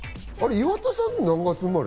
岩田さん、何月生まれ？